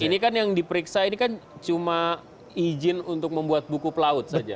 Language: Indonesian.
ini kan yang diperiksa ini kan cuma izin untuk membuat buku pelaut saja